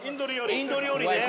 インド料理ね。